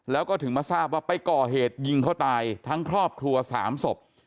แล้วก็ถึงมาทราบว่าไปก่อเหตุยิงเขาตายทั้งครอบครัว๓ศพ